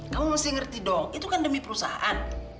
kamu mesti ngerti dong itu kan demi perusahaan